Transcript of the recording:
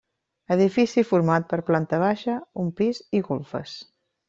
Edifici format per planta baixa, un pis i golfes.